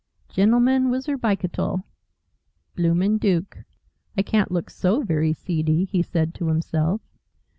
"'Gentleman wizzer bicitle,' 'bloomin' Dook' I can't look so very seedy," he said to himself.